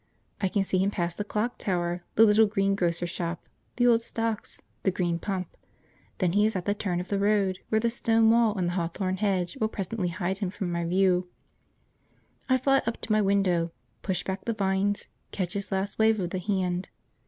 I can see him pass the clock tower, the little greengrocer shop, the old stocks, the green pump; then he is at the turn of the road where the stone wall and the hawthorn hedge will presently hide him from my view. I fly up to my window, push back the vines, catch his last wave of the hand.